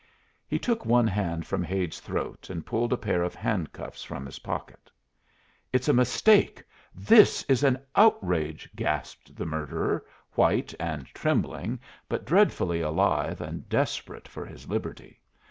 He took one hand from Hade's throat and pulled a pair of handcuffs from his pocket. "It's a mistake. This is an outrage," gasped the murderer, white and trembling, but dreadfully alive and desperate for his liberty.